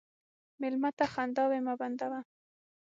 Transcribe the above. مېلمه ته خنداوې مه بندوه.